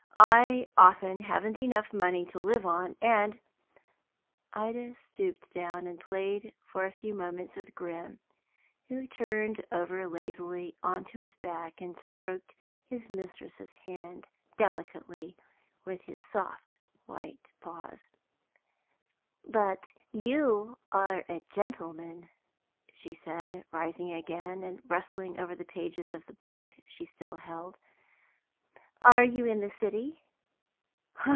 I often haven't enough money to live on, and " Ida stooped down and played for a few moments with Grim, who turned over lazily on to his back, and stroked his mistress's hands delicately with his soft white paws. "But you are a gentleman," she said, rising again, and rustling over the pages of the book she still held. "Are you in the city?"